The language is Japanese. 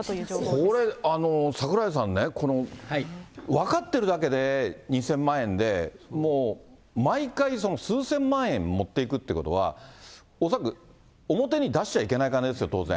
これ櫻井さんね、この分かってるだけで２０００万円で、毎回数千万円持っていくってことは、恐らく表に出しちゃいけない金ですよ、当然ね。